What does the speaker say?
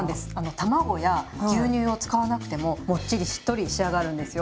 卵や牛乳を使わなくてももっちりしっとり仕上がるんですよ。